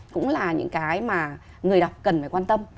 cũng là những cái mà người đọc cần phải quan tâm